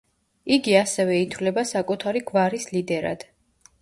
იგი ასევე ითვლება საკუთარი გვარის ლიდერად.